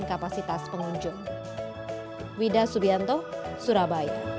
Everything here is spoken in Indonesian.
dan kelebihan kapasitas pengunjung